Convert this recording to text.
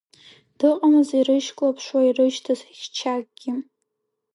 Дыҟамызт ирышьклаԥшуа ирышьҭаз хьчакгьы.